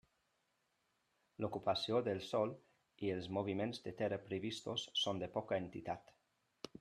L'ocupació del sòl i els moviments de terra previstos són de poca entitat.